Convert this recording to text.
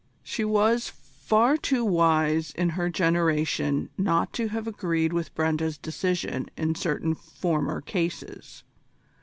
She was far too wise in her generation not to have agreed with Brenda's decision in certain former cases.